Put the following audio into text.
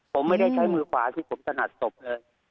ผมไม่ได้ใช้มือขวาที่ผมถนัดศพเลย